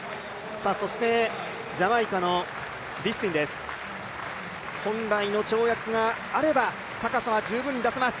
そして、ジャマイカのディスティンです本来の跳躍があれば、高さは十分にあります。